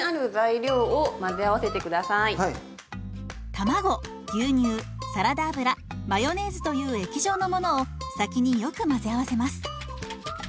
卵牛乳サラダ油マヨネーズという液状のものを先によく混ぜ合わせます。